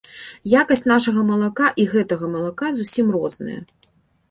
Якасць нашага малака і гэтага малака зусім розная.